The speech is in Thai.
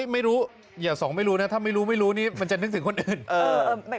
ไม่รู้อย่าสองไม่รู้นะถ้าไม่รู้ไม่รู้นี่มันจะนึกถึงคนอื่น